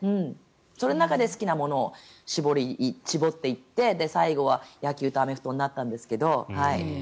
その中で好きなものを絞っていって最後は野球とアメフトになったんですけど。